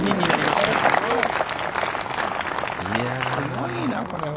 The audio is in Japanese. すごいな、これは。